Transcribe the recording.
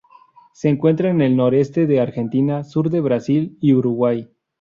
Se encuentra en el noreste de Argentina, sur de Brasil y Uruguay.